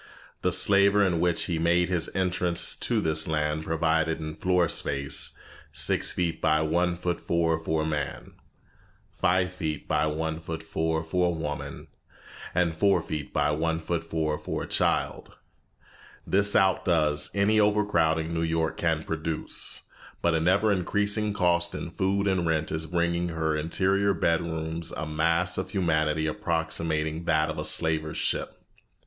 The slaver in which he made his entrance to this land provided in floor space six feet by one foot four for a man, five feet by one foot four for a woman, and four feet by one foot four for a child. This outdoes any overcrowding New York can produce, but an ever increasing cost in food and rent is bringing into her interior bedrooms a mass of humanity approximating that of the slaver's ship.